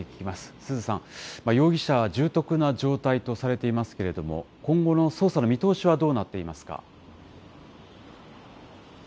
鈴さん、容疑者、重篤な状態とされていますけれども、今後の捜査の見通しはどうなっていますか。